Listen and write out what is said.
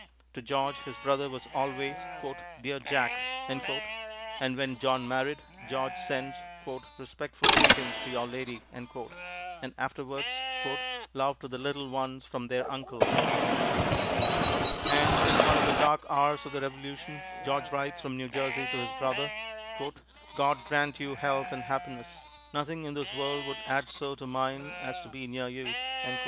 To George this brother was always, "Dear Jack," and when John married, George sends "respectful greetings to your Lady," and afterwards "love to the little ones from their Uncle." And in one of the dark hours of the Revolution, George writes from New Jersey to this brother: "God grant you health and happiness. Nothing in this world would add so to mine as to be near you."